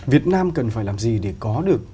việt nam cần phải làm gì để có được